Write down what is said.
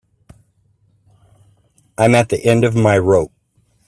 I'm at the end of my rope.